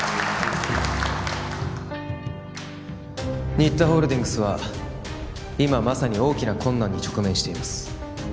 新田ホールディングスは今まさに大きな困難に直面しています